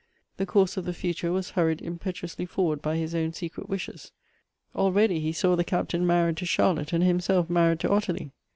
The course of the future was hurried impetuously forward by his own secret wishes. Already he saw the Captain married to Charlotte, and himself married to Ottilie.